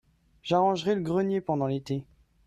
j'arrangerai le grenier pendant l'été.